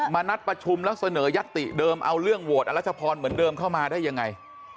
นัดประชุมแล้วเสนอยัตติเดิมเอาเรื่องโหวตอรัชพรเหมือนเดิมเข้ามาได้ยังไง